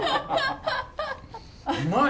うまい！